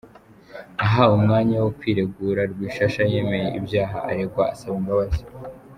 Ahawe umwanya wo kwiregura, Rwishasha yemeye ibyaha aregwa, asaba imbabazi.